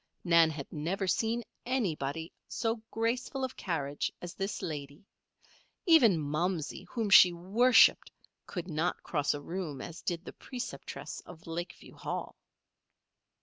Nan had never seen anybody so graceful of carriage as this lady. Even "Momsey," whom she worshipped, could not cross a room as did the preceptress of Lakeview Hall.